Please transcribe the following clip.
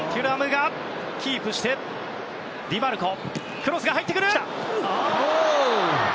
クロスが入ってくる！